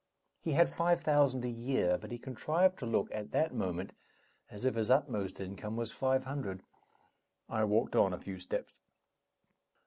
He had five thousand a year, but he contrived to took, at that moment, as if his utmost income was five hundred. I walked on a few steps.